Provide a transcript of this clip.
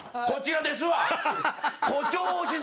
こちらですわ。